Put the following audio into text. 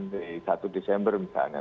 di satu desember misalnya